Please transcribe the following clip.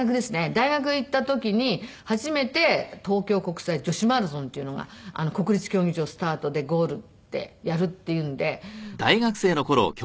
大学へ行った時に初めて東京国際女子マラソンっていうのが国立競技場スタートでゴールってやるっていうんで大学３年の時ですね。